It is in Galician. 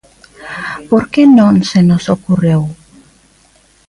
Porque non se nos ocorreu.